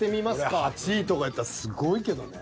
これ８位とかやったらすごいけどね。